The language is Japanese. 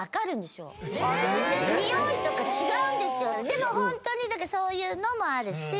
え⁉ホントにそういうのもあるし。